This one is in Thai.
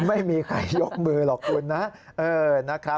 ไม่มีใครยกมือหรอกคุณนะ